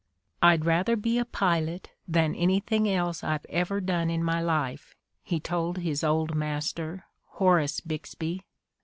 "I'd rather be a pilot than anything else I've ever done in my life, '' he told his old master, Horace Bixby.